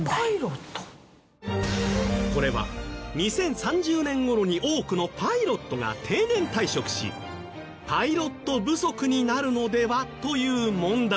これは２０３０年頃に多くのパイロットが定年退職しパイロット不足になるのでは？という問題。